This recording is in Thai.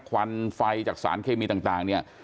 ควันไฟจากสารเคมีต่างเนี่ย